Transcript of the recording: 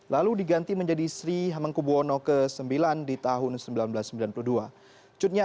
lalu diganti menjadi sri hamengkubwono ix di tahun seribu sembilan ratus sembilan puluh